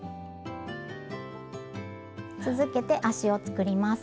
続けて足を作ります。